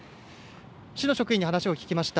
市の職員に話を聞きました。